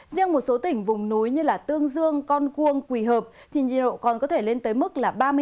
riêng một số tỉnh vùng núi như tương dương con cuông quỳ hợp thì nhiệt độ còn có thể lên tới mức là